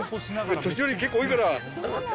年寄り結構多いから。